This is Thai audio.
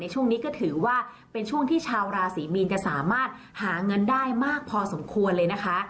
ช่วงนี้ก็ถือว่าเป็นช่วงที่ชาวราศรีมีนจะสามารถหาเงินได้มากพอสมควรเลยนะคะ